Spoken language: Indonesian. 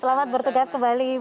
selamat bertugas kembali bu mami